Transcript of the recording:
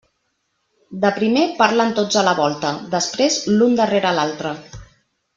De primer parlen tots a la volta, després l'un darrere l'altre.